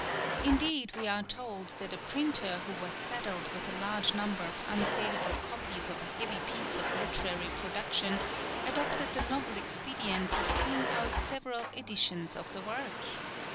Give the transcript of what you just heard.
Indeed we are told that a printer who was saddled with a large number of unsaleable copies of a heavy piece of literary production adopted the novel expedient of bringing out several editions of the work!